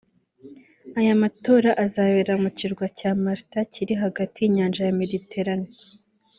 Aya matora azabera ku kirwa cya Malta kiri hagati y’inyanja ya Mediterane